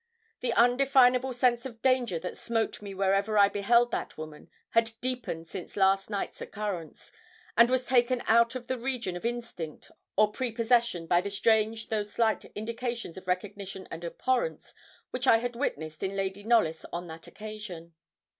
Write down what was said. The undefinable sense of danger that smote me whenever I beheld that woman had deepened since last night's occurrence, and was taken out of the region of instinct or prepossession by the strange though slight indications of recognition and abhorrence which I had witnessed in Lady Knollys on that occasion.